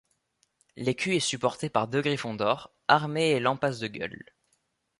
L'écu est supporté par deux griffons d'or, armés et lampasses de gueules.